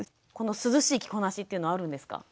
涼しい着こなしっていうのはあるんですか？